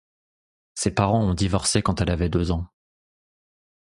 Ses parents ont divorcé quand elle avait deux ans.